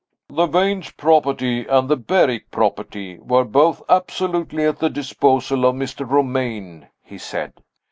"The Vange property and the Berrick property were both absolutely at the disposal of Mr. Romayne," he said.